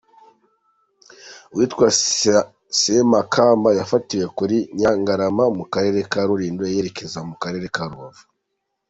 Uwitwa Semakamba yafatiwe kuri Nyirangarama mu karere ka Rulindo yerekeza mu karere ka Rubavu.